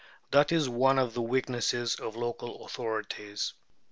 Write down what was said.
That is one of the weaknesses of local authorities.